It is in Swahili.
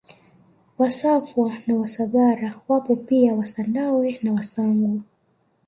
Wasafwa na Wasagara wapo pia Wasandawe na Wasangu